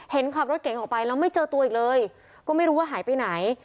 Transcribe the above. เห็นขับรถเก่งออกไปแล้วไม่เจอตัวอีกเลยก็ไม่รู้ว่าหายไปไหน